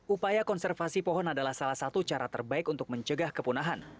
upaya konservasi pohon adalah salah satu cara terbaik untuk mencegah kepunahan